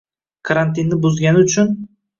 karantinni buzgani uchun